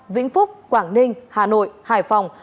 vĩnh phúc quảng ninh hà nội hải phòng